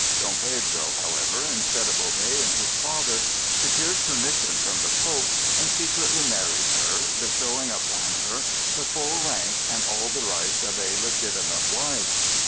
Dom Pedro, however, instead of obeying his father, secured permission from the Pope, and secretly married her, bestowing upon her the full rank and all the rights of a legitimate wife.